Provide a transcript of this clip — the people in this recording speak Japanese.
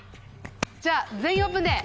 じゃあ「全員オープン」で。